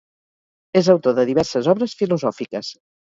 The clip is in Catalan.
És autor de diverses obres filosòfiques.